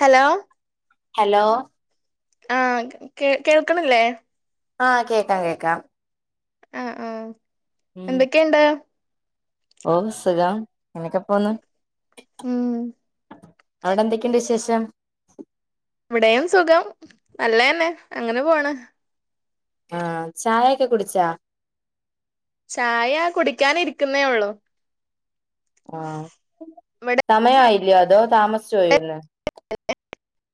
Hello hello ആ കേ കേൾക്കണല്ലേ ആ കേക്കാം കേക്കാം ആ ആ ഉം എന്തൊക്കെ ഉഉണ്ട് ഓ സുഖം ഇങ്ങനെ ഒക്കെ പോന്നു ഉം അവിടെ എന്തൊക്കെയുണ്ട് വിശേഷം? ഷം [unintelligible] ഇവിടെയും സുഖം നല്ലയെന്നെ അങ്ങനെ പോണ് ആ ചായ ഒക്കെ കുടിച്ചാ ചായ കുടിക്കാൻ ഇരിക്കുന്നേ ഒള്ളൂ ആ സമയം ആയി ഇല്ല അതോ താമസിച്ചു പോയോ ഇന്ന് [inaudible]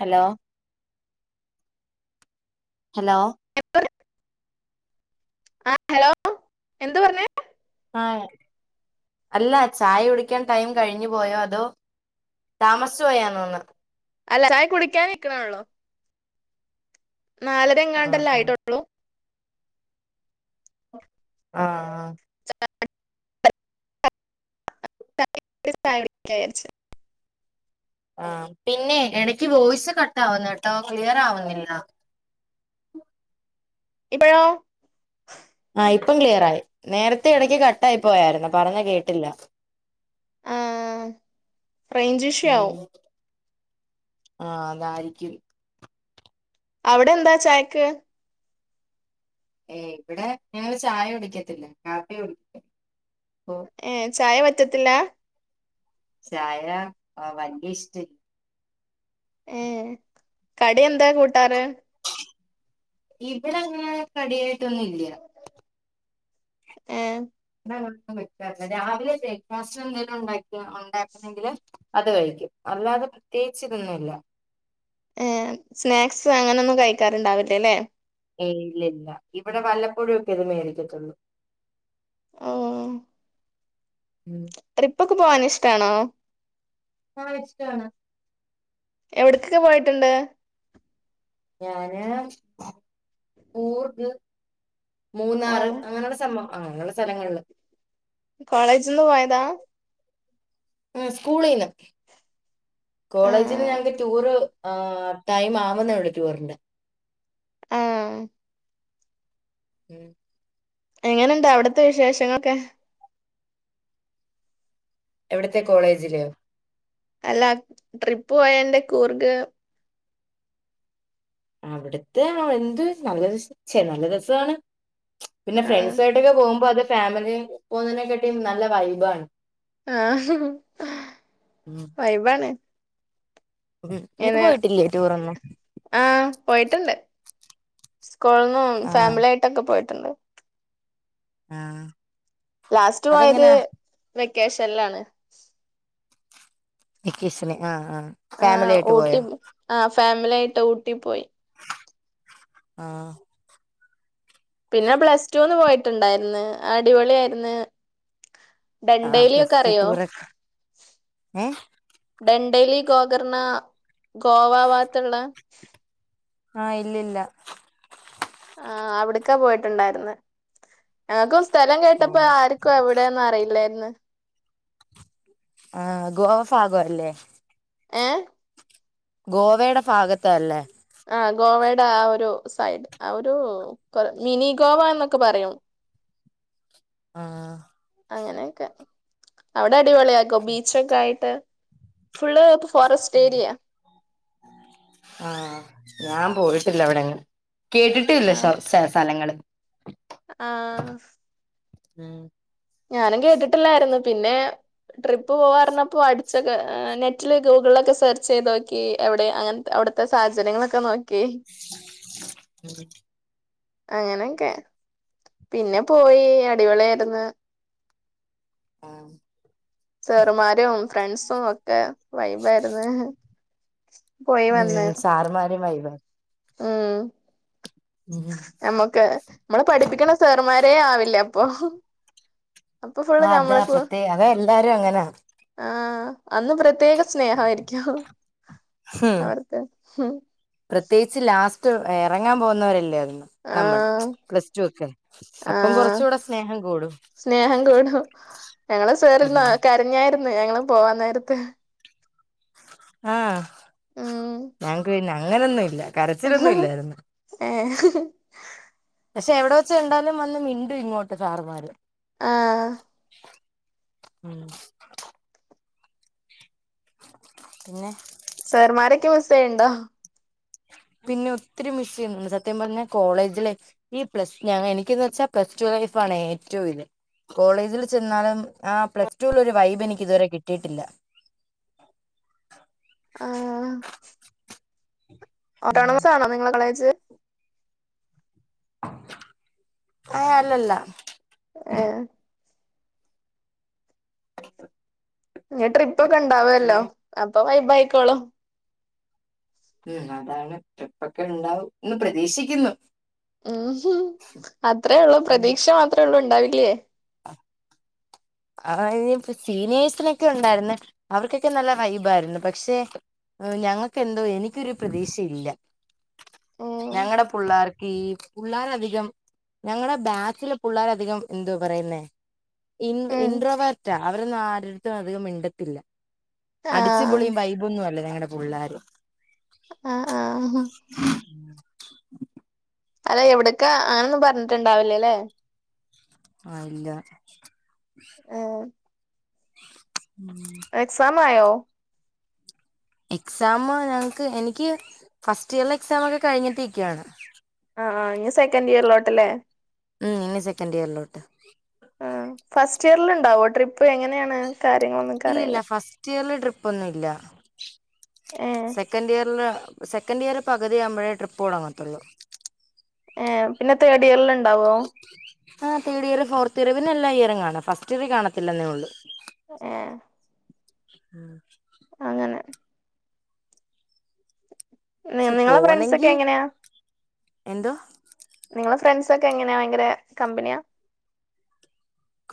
ഹലോ ഹലോ ആ ഹലോ എന്തു പറഞ്ഞേ ആ അല്ല ചായ കുടിക്കാൻ ടൈം കഴിഞ്ഞു പോയോ അതോ താമസ്ച്ചു പോയാന്ന് തോന്ന്ണ് അല്ല ചായ കുടിക്കാൻ നിക്ക്ണോള്ളു നാലര ആഹ് എങ്ങാണ്ടല്ലേ ആഹ് ആയിട്ടൊള്ളു ആ [unintelligible] ആ പിന്നെ എടക്ക് വോയ്സ് കട്ടാവ്ന്ന് കേട്ടോ ക്ലിയറാവുന്നില്ല ഇപഴോ ആ ഇപ്പം ക്ലിയറായി നേരത്തെ ഇടക്ക് കട്ടായി പോയായിരുന്നു പറഞ്ഞത് കേട്ടില്ല ആ ഫ്രഞ്ചിഷ ആവും ആ അതായിരിക്കും അവ്ടെ എന്താ ചായക്ക് ഹേ ഇവ്ടെ ഞങ്ങൾ ചായ കുടിക്കത്തില്ല കാപ്പിയാ കുടിക്ക ഏ ചായ പ റ്റത്തില്ല ചായ ആ വല്യ ഇഷ്ട ഏ കടി എന്താ കൂട്ടാറ് ഇവിടെ അങ്ങനെ കടി ട്ടൊന്നും ഇല്ല്യ ഏ [unintelligible] രാവിലെ ബ്രേക്ക്ഫാസ്റ്റ് എന്തെലും ഉണ്ടാക്കി ഉണ്ടാക്കുന്നെങ്കിൽ അത് കഴിക്കും അല്ലാതെ പ്രത്യേകിച്ച് ഇതൊന്നുയില്ല ഏ സ്നാക്സ് അങ്ങനൊന്നും കഴിക്കാറുണ്ടാവില്ലലെ ഏ ഇല്ല ഇല്ല ഇവിടെ വല്ലപ്പോഴും ഒക്കെ അത് മേടിക്കത്തൊള്ളൂ ഓ ഉം ട്രിപ്പ് ഒക്കെ പോവാൻ ഇഷ്ടാണോ? ആ വെച്ചിട്ടാണ് എവിട്ക്കൊക്കെ പോയിട്ടുണ്ട്? ഞാന് കൂർഗ് മൂന്നാറ് ആഹ് അങ്ങനെയുള്ള സം അ അങ്ങനുള്ള സ്ഥലങ്ങളിൽ കോളേജ്ന്ന് പോയതാ? ഉം സ്കൂളീന്ന് കോളേജ്ന്ന് ആഹ് ഞങ്ങക്ക് ടൂറ് ആ ടൈം ആവുന്നുള്ളു ടൂറിന്റെ ആ ഉം എങ്ങനെണ്ട് അവിടത്തെ വിശേഷങ്ങളൊക്കെ? എവിടത്തെ കോളേജിലോ? അല്ലാ ട്രിപ്പ് പോയൻ്റെ കൂർഗ്? അവിടുത്തെ എന്ത് നല്ല രച ച്ചെ നല്ല രസമാണ് പിന്നെ ആഹ് ഫ്രണ്ട്സ് ആയിട്ടൊക്കെ പോകുമ്പോ അത് ഫാമിലി പോകുന്നതിനെക്കാട്ടി നല്ല വൈബ് ആണ് ആഹ് ഉം വൈബാണ് ഉം നീ ഇങ്ങനെ പോയിട്ടില്ലേ ടൂറ് ഒന്നും ആഹ് സ്‌കൂളിൽ നിന്നും ഫാമിലി ആയിട്ടൊക്കെ പോയിട്ട് ആ ലാസ്റ്റ് പോയത് വെ വെക്കേഷനിലാണ് വെക്കേഷന് ആ ആ ആ ഊട്ടി ആ ഫാമിലി ആയിട്ട് ഊട്ടിപ്പോയി ആ പിന്നെ പ്ലസ്ടുന്ന് പോയിട്ടുണ്ടായിരുന്ന് അടിപൊളി ആയിരുന്നു ആഹ് ഡണ്ടൈലി പ്ലസ് ഒക്കെ ടു അറിയോ ടൂറൊക്കെ ഏഹ് ഡണ്ടൈലി ഗോകർണ ഗോവവാത്തുള്ള ആ ഇല്ലില്ല ആഹ് അവിടക്കാ പോയിട്ടുണ്ടായിര്ന്ന് ഞങ്ങക്ക് സ്കു സ്ഥലം കേട്ടപ്പോ ഓഹ് ആർക്കും എവിടെന്ന് അറിയില്ലായിരുന്നു [inaudible] ആ ഗോവഫാഗോ അല്ലേ ഏ ഗോവയുടെ ഭാഗത്ത് അല്ലേ ആ ഗോവയുടെ ആ ഒരു സൈഡ് ആ ഒരു മിനി ഗോവ എന്നൊക്കെ പറയും ആ അങ്ങനെയൊക്കെ അവിടെ അടിപൊളി ആട്ടോ ബീച്ചൊക്കെ ആയിട്ട് ഫുള്ള് ഫോറസ്റ്റ് ഏരിയ ആ ഞാൻ പോയിട്ടില്ല അവിടെ അങ്ങെ കേട്ടിട്ടേ ഇല്ല ആ സർ സ്ഥലങ്ങള് ആ ആ ഞാനും കേട്ടിട്ടില്ലായിരുന്നു പിന്നെ ട്രിപ്പ് പോവാ പറഞ്ഞപ്പോ അടിച്ചൊക്കെ നെറ്റില് ഗൂഗിളൊക്കെ സെർച്ച് ചെയ്ത് നോക്കി അവിടെ അങ്ങനത്തെ അവിടുത്തെ സാഹചര്യങ്ങളൊക്കെ നോക്കി ഉ [inaudible] അങ്ങനെയൊക്കെ പിന്നെ പോയി അടിപൊളിയായിരുന്നു ആ സാറുമ്മാരും ഫ്രണ്ട്സും ഒക്കെ വൈബായിരുന്നു. പോയി വന്ന് ഉം സാറുമ്മാര് വൈബ്. ആ ഉം നമ്മുക്ക് നമ്മള പഠിപ്പിക്കണ സാറന്മ തേ ആവില്ലേ അപ്പൊ. അപ്പൊ ഫുള്ള് ആ അതാ ഞമ്മളക്ക് പ്രത്യേക അതാ എല്ലാരും അങ്ങനാ. ആഹ് അന്ന് പ്രത്യേക സ്നേഹമായിരിക്കും ഉം അവർക്ക് ഉ പ്രത്യേകിച്ച് ലാസ്റ്റ് ഇറങ്ങാൻ പോകുന്നവരല്ലേ അത് നമ്മൾ ആഹ് പ്ലസ് ടു ഒക്കെ അപ്പം ആഹ് കൊറച്ച് കൂടെ സ്നേഹം കൂടൂം ഞങ്ങള് സാറിന്ന് കരഞ്ഞായിരുന്നു. ഞങ്ങള് പോവാൻ നേരത്ത്. ആഹ് ഉം ഞങ്ങക്ക് പിന്നെ അങ്ങനൊന്നും ഇല്ല. കരച്ചിലൊന്നും ഇല്ലായിരുന്നു. [inaudible] പക്ഷെ എവിടെ വെച്ച് കണ്ടാലും വന്ന് മിണ്ടും ഇങ്ങോട്ട് സാറുമ്മാര്.. ആ ഉം പിന്നെ സാറുമാരൊക്കെ മിസെയണ്ടാ. പിന്നെ ഒത്തിരി മിസ് ചെയ്യുന്നുണ്ട് സത്യം പറഞ്ഞാ കോളേജിലെ ഈ പ്ലസ് ഞ എനിക്കന്ന് വെച്ചാ പ്ലസ് ടു ലൈഫ് ആണ് ഏറ്റവും ഇത്. കോളേജിൽ ചെന്നാലും ആ പ്ലസ്ടു ലെ ഒരു വൈബ് എനിക്ക് ഇതുവരെ കിട്ടിയിട്ടില്ല. ആ [unintelligible] ഉം ആണോ നിങ്ങള കളേജ്. അഹ് അല്ലല്ല. ഏഹ് ഇനി ട്രിപ്പ് ഒക്കെ ഉണ്ടാവല്ലോ ഉം അപ്പൊ വായിക്കോളും. ഉം അതാണ് ട്രിപ്പൊക്കെ ഉണ്ടാവും എന്ന് പ്രതീക്ഷിക്കുന്നു. ഉം ഉ അത്രേ ഉള്ളൂ പ്രതീക്ഷ മാത്രേ ഉള്ളൂ. ഉണ്ടാവില്ലേ. ആ സീനിയേഴ്സിനൊക്കെ ഉണ്ടായിരുന്ന്. അവർക്കൊക്കെ നല്ല വൈബായിരുന്നു പക്ഷെ ഞങ്ങൾക്ക് എന്തോ എനിക്കൊരു പ്രതീക്ഷയില്ല. ഉം ഞങ്ങളുടെ പുള്ളാർക്ക് ഈ പുള്ളാരധികം ഞങ്ങളുടെ ബാച്ചില പുള്ളാരധികം എന്തോ പറയുന്നേ ഉം ഇൻട്രോ വാറ്റ അവരൊന്നും ആരെടുത്തും അധികം മിണ്ടത്തില്ല. അടിച്ചു ആഹ് പൊളിയും വൈബൊന്നും ങ്ങ പുള്ളാര് ആഹ് ആഹ് അല്ല എവിടക്കാ അങ്ങനൊന്നും പറഞ്ഞിട്ടുണ്ടാവില്ലല്ലേ. ആഹ് ഇല്ല ആഹ് എക്സാമായോ? എക്സാമ് ഞങ്ങക്ക് എനിക്ക് ഫസ്റ്റിയറിലെ എക്സാമൊക്കെ കഴിഞ്ഞിട്ടിരിക്കയാണ്. ആഹ് ഇനി സെക്കൻഡ് ഇയറിലോട്ടല്ലേ? ഉം ഇനി സെക്കൻഡ് ഇയറിലോട്ട് ഉം ഫസ്റ്റ് ഇയർല്ണ്ടാവോ ട്രിപ്പ്? എങ്ങനെയാണ്? കാര്യങ്ങളൊന്നും ഇൻക്കറിയില്ല പ്പൊന്നുല്ല ഏഹ് സെക്കന്റിയർലാ സെക്കന്റിയർ പകുതിയാവുമ്പഴേ ട്രിപ്പ് തൊടങ്ങത്തുള്ളൂ ഏഹ് പിന്നെ തേർഡിയർല്ണ്ടാവോ? ആ തേർഡിയർ ഫോർത്ത് ഇയർ പിന്നെ എല്ലാ ഇയറും കാണും. ഫസ്റ്റ് ഇയറിൽ കാണത്തില്ലന്നേ ഒള്ളൂ ഏഹ് ഉം അങ്ങനെ നിങ്ങളെ ഫ്രണ്ട്സൊക്കെ എങ്ങനെയാ? എന്തുവാ? നിങ്ങളെ ഫ്രണ്ട്സൊക്കെ എങ്ങനെയാ ഭയങ്കര കമ്പനിയാ?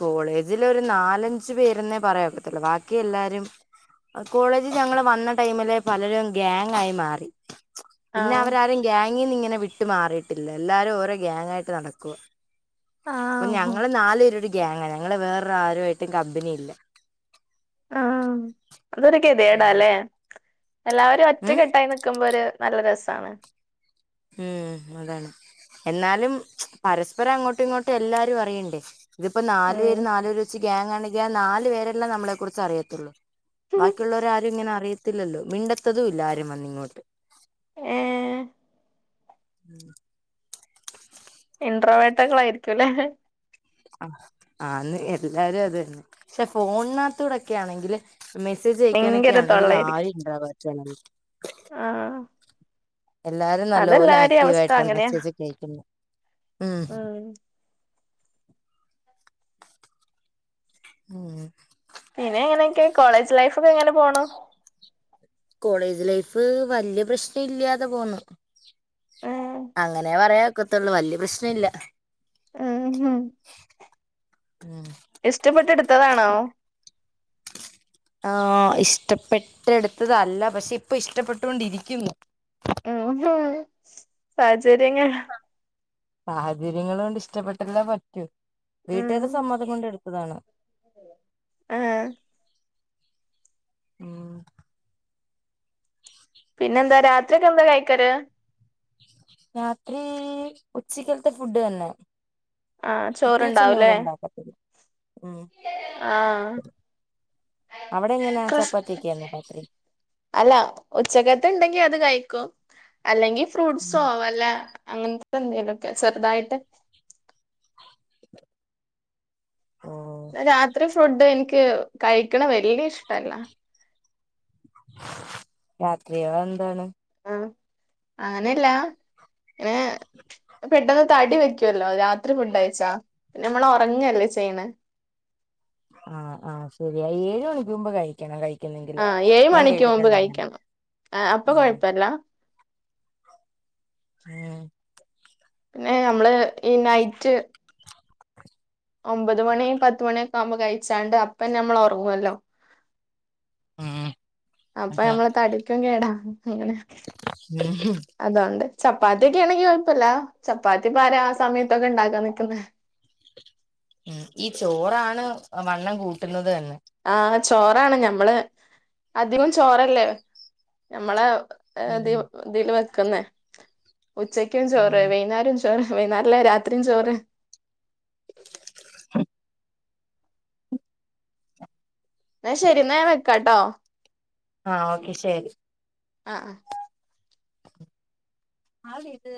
കോളേജിലൊരു നാലഞ്ച് പേരെന്നെ പറയാ ഒക്കത്തുള്ളു. ബാക്കി എല്ലാരും, കോളേജി ഞങ്ങള് വന്ന ടൈമിലേ പലരും ഗ്യാങ്ങായി മാറി. പിന്നെ ആഹ് അവരാരും ഗ്യാങ്ങീന്ന് ഇങ്ങനെ ട്ട് മാറിയിട്ടില്ല. എല്ലാരും ഓരോ ഗ്യാങ്ങായിട്ട് നടക്കുവാ അപ്പൊ ആഹ് ഞങ്ങള് നാല് ഗ്യാങ്ങാ. ഞങ്ങള് വേറൊരു ആരുവായിട്ടും കമ്പനി ഇല്ല ആഹ് അതൊര് ഗതികേടാല്ലെ? എല്ലാവരും ഉം ഒറ്റക്കെട്ടായി നിക്കുമ്പൊരു നല്ല രസാണ്. ഉം അതാണ്. എന്നാലും പരസ്പരം അങ്ങോട്ടു ഇങ്ങോട്ടു എല്ലാരു അറിയണ്ടേ? ഇതിപ്പോ നാല് ഉം പേര് നാല് പേര് വച്ച് ഗ്യാങ്ങാണെങ്കി ആ നാല് പേരല്ലേ നമ്മളെക്കുറിച്ചറിയത്തുള്ളൂ. ബാക്കിയുള്ളവരാരു ഇങ്ങനെ അറിയത് ത്തില്ലല്ലോ മിണ്ടത്തതു ഇല്ല ആരും വന്നിങ്ങോട്ട് ഏഹ് ഉം ഇൻട്രോവേട്ടകളായിരിക്കു അല്ലേ? ആ ആന്ന് എല്ലാരു അത് തന്നെ. പക്ഷെ ഫോണിനകത്തോടെക്കെ ആണെങ്കില് മെസ്സേജ് ഭയങ്കര അയക്കാനൊക്കെയാണെങ്കില് തൊള്ളായിരിക്കും ആര് ഇണ്ടാവാ [unintelligible] ആഹ് എല്ലാരും നല്ലപോലെ അതെല്ലാരിം അവസ്ഥ ആക്റ്റീവായിട്ടാണ് അങ്ങനെയാ മെസ്സേജൊക്കെ അയക്കുന്നെ. ഉം ഉം പിന്നെ എങ്ങനെയൊക്കെ കോളേജ് ലൈഫ് ഒക്കെ എങ്ങനെ പോണ്? കോളേജ് ലൈഫ് വല്യ പ്രശ്നം ഇല്ലാതെ പോന്ന്. ഉം ക്കത്തുള്ളു. വല്യ പ്രശ്ന ഇല്ല. ഉം ഇഷ്ടപ്പെട്ടെടുത്തതാണോ? ആഹ് ഇഷ്ടപ്പെട്ടെടുത്തതല്ല, പക്ഷെ ഇപ്പൊ ഇഷ്ടപ്പെട്ടോണ്ടിരിക്കുന്നു. ഉം സാഹചര്യങ്ങൾ സാഹചര്യങ്ങൾ കൊണ്ട് ഇഷ്ടപ്പെട്ടല്ലെ പറ്റൂ. വീട്ട്കാരുടെ സമ്മതം കൊണ്ട് എടുത് അതാണ് ആ ഉം ഉം [unintelligible] പിന്നെന്താ? രാത്രിയൊക്കെ എന്താ കഴിക്കാറ്? രാത്രീ, ഉച്ചക്കലത്തെ ഫുഡ് തന്നെ. ആ പ്രത്യേകിച്ചൊന്നും ഇവിടെ ചോറ്ണ്ടാവൂല്ലേ? ഉണ്ടാക്കത്തില്ല ഉം ആ അവിടെ എങ്ങനാ ചപ്പാത്തിയൊക്കെയാന്നോ രാത്രി അല്ല ഉച്ചക്കത്തെ ഉണ്ടെങ്കി അത് കയിക്കും. അല്ലെങ്കി ഫ് ഫ്രൂട്ട്സോ വല്ല അങ്ങനെന്ത് എന്തേലൊക്കെ ചെറ്തായിട്ട്. ഓ രാത്രി ഫ് ഫുഡ് എനിക്ക് കഴിക്കണ വല്യ ഇഷ്ടല്ല. രാത്രിയോ? അതെന്താണ്? അങ്ങനെയല്ലാ ഏഹ് പെട്ടെന്ന് തടി വയ്ക്കുവല്ലോ രാത്രി ഫുഡ് കയിച്ചാ പിന്നെ നമ്മള് ഒറങ്ങല്ലേ ചെയ്യണേ ആ ആ ശരിയാ ഏഴ് മണിക്ക് മുമ്പ് കഴിക്കണം കഴി ആ ഏഴ് മണിക്ക് മുമ്പ് കഴിക്കണം അപ്പൊ ഉം കൊഴപ്പല്ല പിന്നെ നമ്മള് ഈ നൈറ്റ് ഒമ്പത് മണി പത്തുമണിഒക്കെ ആമ്പോ കഴിച്ചാണ്ട് അപ്പോ നമ്മൾ ഒറങ്ങുവല്ലോ ആഹ് അപ്പൊ നമ്മടെ തടിക്കും കേടാ അങ്ങനെ ഉം അതൊണ്ട് ചപ്പാത്തി ഒക്കെയാണെങ്കി കൊഴപ്പല്ല ചപ്പാത്തിപ്പാരാ ആ സമയത്തൊക്കെ ഇണ്ടാക്കാൻ നിക്കുന്നേ ഉം ഈ ചോറാണ് വണ്ണം കൂട്ടുന്നത് തന്നെ ആഹ് ചോറാണ് ഞമ്മ് നമ്മള് അധികം ചോറല്ലേ നമ്മളെ അതെയോ ഉം എന്തേലും ക്ക്ന്നെ ഉച്ചക്കും ചോറ് ഉം വൈകുന്നേരം ചോ ത് വൈനെരിലേ രാത്രി ചോറ് എന്നാ ശരി എന്ന ഞാൻ വെക്കാട്ടോ ആഹ് ഓക്കെ ആഹ് ആഹ് ആര് ഇത്